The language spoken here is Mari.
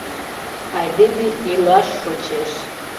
«АЙДЕМЕ ИЛАШ ШОЧЕШ».